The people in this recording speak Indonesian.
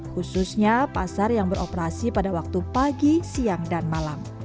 khususnya pasar yang beroperasi pada waktu pagi siang dan malam